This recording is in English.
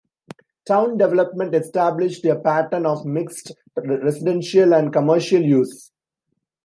Town development established a pattern of mixed residential and commercial use.